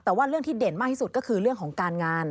แต่ว่าเรื่องที่เด่นมากที่สุดก็คือเรื่องของการงาน